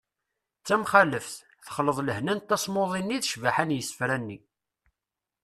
d tamxaleft : texleḍ lehna n tasmuḍi-nni d ccbaḥa n yisefra-nni